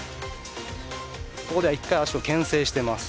ここでは足を一回けん制しています。